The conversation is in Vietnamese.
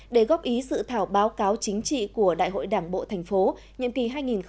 để góp ý sự thảo báo cáo chính trị của đại hội đảng bộ thành phố nhiệm kỳ hai nghìn hai mươi hai nghìn hai mươi năm